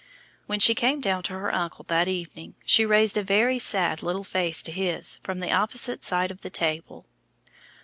When she came down to her uncle that evening she raised a very sad little face to his from the opposite side of the table.